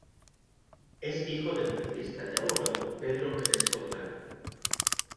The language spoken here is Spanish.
Es hijo del periodista y abogado Pedro Crespo de Lara.